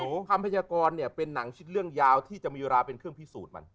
คำพยากรเนี่ยเป็นหนังชิดเรื่องยาวที่จะมีเวลาเป็นเครื่องพิสูจน์มัน